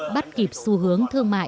bắt kịp xu hướng thương mại